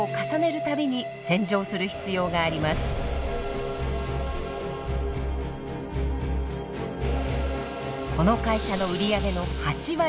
この会社の売り上げの８割は海外。